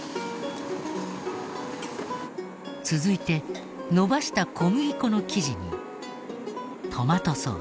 続いて延ばした小麦粉の生地にトマトソース。